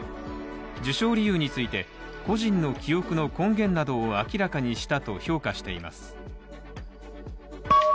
授賞理由について、個人の記憶の根源などを明らかにしたと評価しています。